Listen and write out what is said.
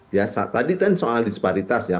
biasa tadi kan soal disparitas ya